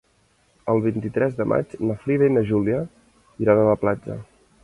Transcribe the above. El vint-i-tres de maig na Frida i na Júlia iran a la platja.